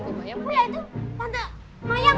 oh ya itu tante mayang